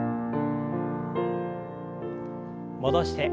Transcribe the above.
戻して。